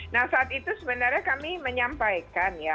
nah saat itu sebenarnya kami menyampaikan ya